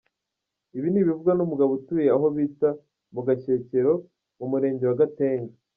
Ibi ni ibivugwa n’umugabo utuye aho bita mu Gashyekero mu Murenge wa Gatenga.